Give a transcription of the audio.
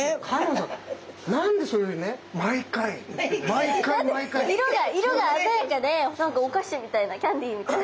だって色が色が鮮やかで何かおかしみたいなキャンディーみたいな。